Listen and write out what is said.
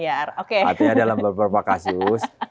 artinya dalam beberapa kasus